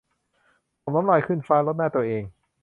ถ่มน้ำลายขึ้นฟ้า รดหน้าตัวเอง